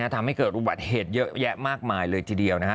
ทำให้เกิดอุบัติเหตุเยอะแยะมากมายเลยทีเดียวนะฮะ